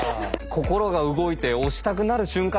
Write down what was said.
心が動いて押したくなる瞬間